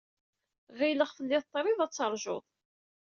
Ɣileɣ tellid trid ad teṛjud.